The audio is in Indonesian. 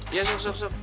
iya sup sup sup